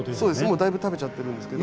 もうだいぶ食べちゃってるんですけど。